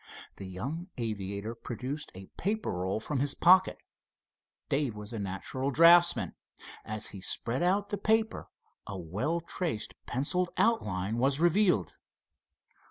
The young aviator produced a paper roll from his pocket. Dave was a natural draughtsman. As he spread out the paper a well traced penciled outline was revealed.